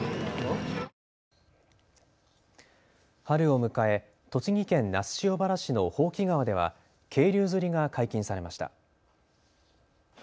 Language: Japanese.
春を迎え栃木県那須塩原市の箒川では渓流釣りが解禁されました。